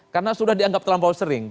karena sudah dianggap terlampau sering